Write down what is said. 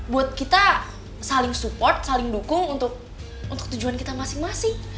buat kita saling support saling dukung untuk tujuan kita masing masing